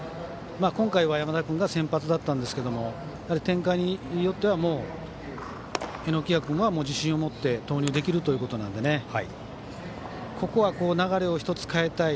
今回は山田君が先発だったんですけど展開によっては榎谷君は自信を持って投入できるということでここは流れを１つ、変えたい。